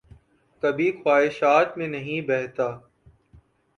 کبھی خواہشات میں نہیں بہتا